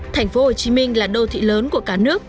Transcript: thành phố hồ chí minh là đô thị lớn của cả nước